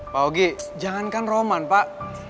pak oge jangankan roman pak